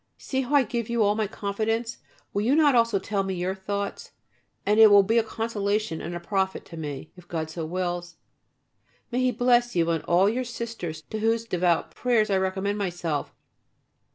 See how I give you all my confidence. Will you not also tell me your thoughts, and it will be a consolation and a profit to me, if God so wills. May He bless you and all your Sisters to whose devout prayers I recommend myself.